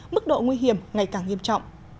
mức độ nguy hiểm ngày càng nghiêm trọng